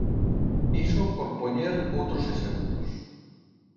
Iso por poñer outros exemplos.